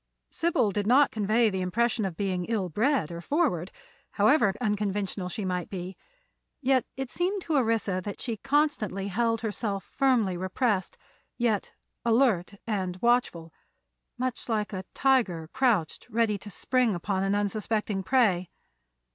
Sybil did not convey the impression of being ill bred or forward, however unconventional she might be; yet it seemed to Orissa that she constantly held herself firmly repressed, yet alert and watchful, much like a tiger crouched ready to spring upon an unsuspecting prey.